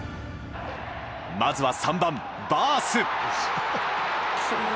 まずは３番バース。